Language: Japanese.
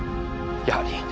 やはり！